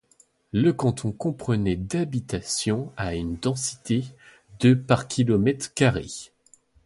Le canton comprenait d'habitation à une densité de par kilomètre carré.